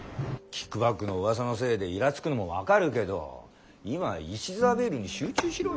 キックバックのうわさのせいでいらつくのも分かるけど今は石沢ビールに集中しろよ。